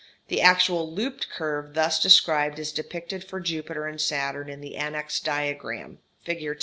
The actual looped curve thus described is depicted for Jupiter and Saturn in the annexed diagram (fig.